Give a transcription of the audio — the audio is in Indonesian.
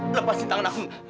tante lepasin tangan aku